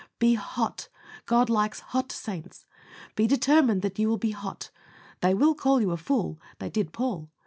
Be hot. God likes hot saints. Be determined that you will be hot. They will call you a fool: they did Paul.